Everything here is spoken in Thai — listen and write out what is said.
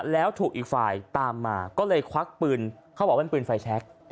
แล้วถูกอีกฝ่ายตามมาก็เลยควักปืนเขาบอกว่าเป็นปืนไฟแชค